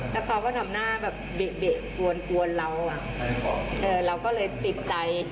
แล้วเขาก็ทำหน้าแบบเบะเบะกวนกวนเราอ่ะเออเราก็เลยติดใจ